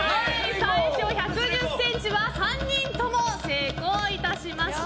最初１１０ｃｍは３人とも成功しました。